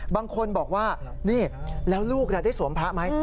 บางคนบอกว่านี่แล้วลูกได้สวมพระไหม